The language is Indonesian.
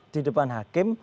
di depan hakim